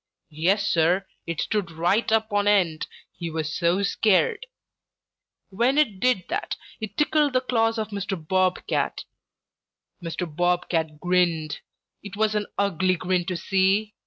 Yes, Sir, it stood right up on end, he was so scared. When it did that, it tickled the claws of Mr. Bob Cat. Mr. Bob Cat grinned. It was an ugly grin to see.